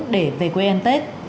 để về quê em tết